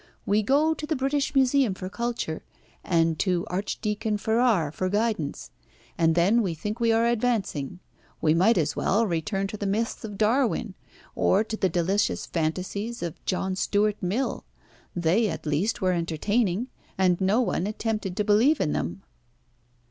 We go to the British Museum for culture, and to Archdeacon Farrar for guidance. And then we think that we are advancing. We might as well return to the myths of Darwin, or to the delicious fantasies of John Stuart Mill. They at least were entertaining, and no one attempted to believe in them."